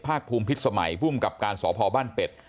ภาคภูมิพิษสมัยภูมิกับการสพบ้านเป็ด